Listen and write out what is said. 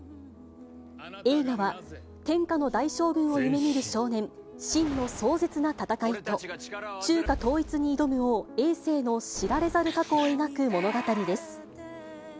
映画は、天下の大将軍を夢みる少年、信の壮絶な戦いと、中華統一に挑む王、えい政の知られざる過去を描く物語です。